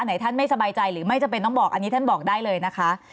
ไหนท่านไม่สบายใจหรือไม่จำเป็นต้องบอกอันนี้ท่านบอกได้เลยนะคะ